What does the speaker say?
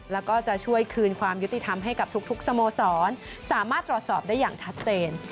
แล้วก็จะช่วยคืนความยุติธรรมให้กับทุกสโมสรสามารถตรวจสอบได้อย่างชัดเจน